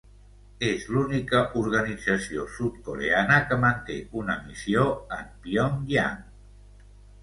És l'única organització sud-coreana que manté una missió en Pyongyang.